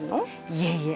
いえいえ。